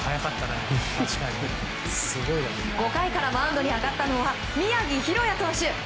５回からマウンドに上がったのは宮城大弥投手。